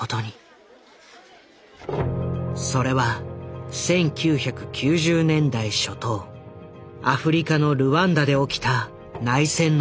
それは１９９０年代初頭アフリカのルワンダで起きた内戦の時だ。